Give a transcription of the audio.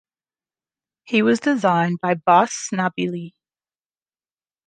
He was designed by Bas Snabilie.